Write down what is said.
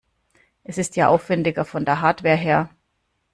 Es ist ja aufwendiger von der Hardware her.